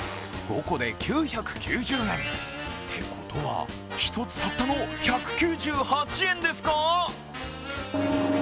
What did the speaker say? ５個で９９０円ってことは、１つたったの１９８円ですか！？